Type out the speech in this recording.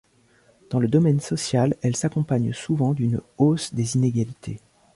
Dans le domaine social, elle s'accompagne souvent d'une hausse des inégalités.